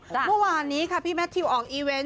เมื่อวานนี้ค่ะพี่แมททิวออกอีเวนต์